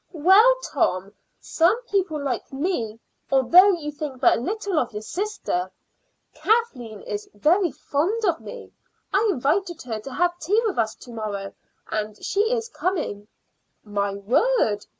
"Well, Tom, some people like me, although you think but little of your sister. Kathleen is very fond of me. I invited her to have tea with us to morrow, and she is coming." "My word!"